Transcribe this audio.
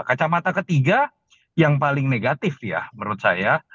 kacamata ketiga yang paling negatif ya menurut saya